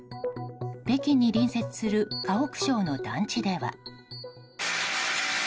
北京に隣接する河北省の団地では。